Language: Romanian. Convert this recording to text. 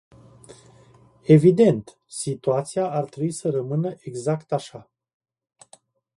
Evident, situația ar trebui să rămână exact așa.